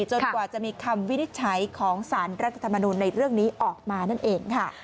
กว่าจะมีคำวินิจฉัยของสารรัฐธรรมนูลในเรื่องนี้ออกมานั่นเองค่ะ